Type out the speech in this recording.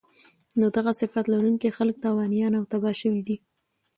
نو دغه صفت لرونکی خلک تاوانيان او تباه شوي دي